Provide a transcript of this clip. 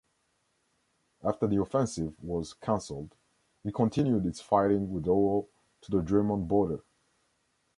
After the offensive was cancelled, it continued its fighting withdrawal to the German border.